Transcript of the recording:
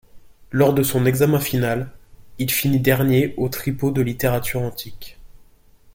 Lors de son examen final, il finit dernier aux Tripos de littérature antique.